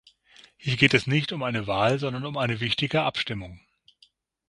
Hier geht es nicht um eine Wahl, sondern um eine wichtige Abstimmung.